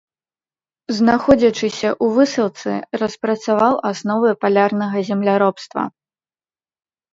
Знаходзячыся ў высылцы, распрацаваў асновы палярнага земляробства.